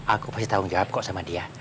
aku pasti tanggung jawab kok sama dia